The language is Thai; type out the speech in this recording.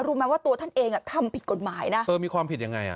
รู้ไหมว่าตัวท่านเองอ่ะทำผิดกฎหมายนะเออมีความผิดยังไงอ่ะ